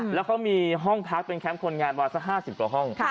แล้วเขามีห้องพักเป็นแคมป์คนงานวันสัก๕๐กว่าห้อง